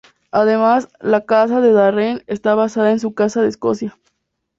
Además, la casa de Darren está basada en su casa de Escocia.